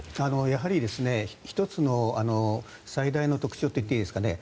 やはり１つの最大の特徴と言っていいですかね。